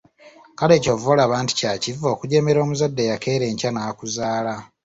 Kale ky'ova olaba nti kya kivve okujeemera omuzadde eyakeera enkya n'akuzaala.